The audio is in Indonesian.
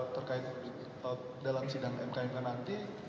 terkait dalam sindang mkmk nanti